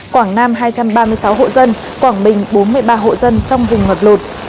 quảng nam hai trăm ba mươi sáu hộ dân quảng bình bốn mươi ba hộ dân trong vùng ngập lụt